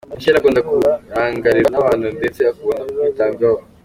Michelle akunda kurangarirwa n’abantu ndetse akunda kwitabwaho.